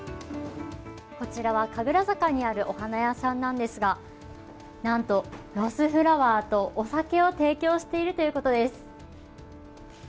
こちらは神楽坂にあるお花屋さんなんですが何とロスフラワーとお酒を提供しているということです。